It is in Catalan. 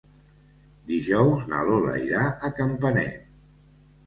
Dijous na Lola irà a Campanet.